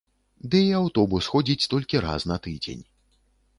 Ды і аўтобус ходзіць толькі раз на тыдзень.